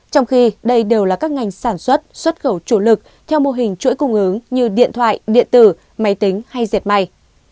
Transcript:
trong khi đây đều là các ngành sản xuất xuất khẩu chủ lực theo mô hình chuỗi cung ứng như điện thoại điện tử máy tính hay diệt may